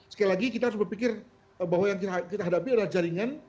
sekali lagi kita harus berpikir bahwa yang kita hadapi adalah jaringan